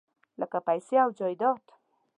لکه پیسې او جایداد .